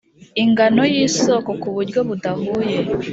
Ingano y isoko ku buryo budahuye